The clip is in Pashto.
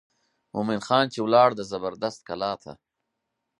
مومن خان چې ولاړ د زبردست کلا ته.